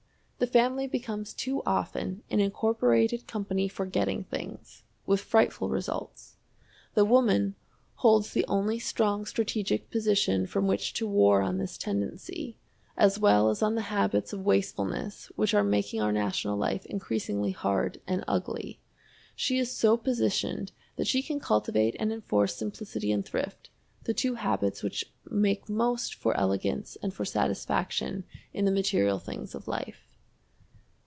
The family becomes too often an incorporated company for getting things with frightful results. The woman holds the only strong strategic position from which to war on this tendency, as well as on the habits of wastefulness which are making our national life increasingly hard and ugly. She is so positioned that she can cultivate and enforce simplicity and thrift, the two habits which make most for elegance and for satisfaction in the material things of life.